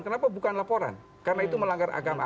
karena itu melanggar agama